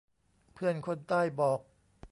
เพื่อนคนใต้บอก